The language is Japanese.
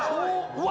うわ！